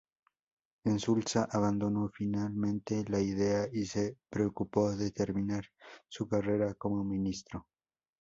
Insulza abandonó finalmente la idea y se preocupó de terminar su carrera como ministro.